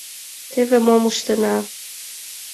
Теве мом ыштена...